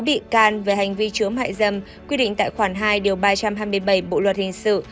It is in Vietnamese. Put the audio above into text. sáu bị can về hành vi chứa mại dâm quy định tại khoảng hai điều ba trăm hai mươi bảy bộ luật hình sự